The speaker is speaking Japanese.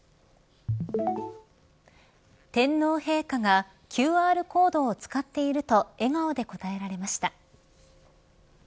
天皇陛下がＱＲコードを使っていると笑顔で答えられました。